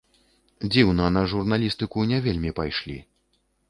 Дзіўна, на журналістыку не вельмі пайшлі.